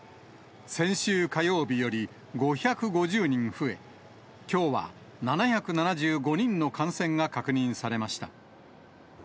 先週火曜日より５５０人増え、きょうは７７５人の感染が確認されました。